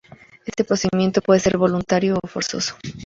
Este procedimiento puede ser voluntario o forzoso.